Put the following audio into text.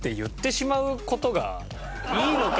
いいのか。